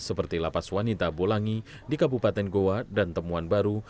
seperti lapas wanita bolangi di kabupaten goa dan temuan baru